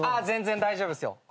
全然大丈夫ですよ。